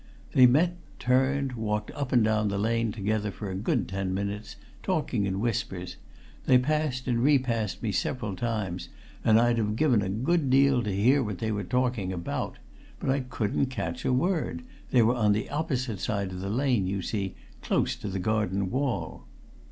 They met, turned, walked up and down the lane together for a good ten minutes, talking in whispers. They passed and repassed me several times, and I'd have given a good deal to hear what they were talking about. But I couldn't catch a word they were on the opposite side of the lane, you see, close to the garden wall."